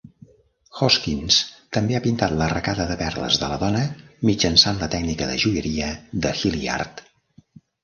Hoskins també ha pintat la arracada de perles de la dona mitjançant la tècnica de joieria de Hilliard.